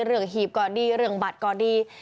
เรื่องหีบก็ดีเรื่องบัตรก็ดี